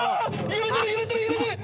揺れてる揺れてる揺れてる！